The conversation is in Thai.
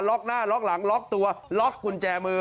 หน้าล็อกหลังล็อกตัวล็อกกุญแจมือ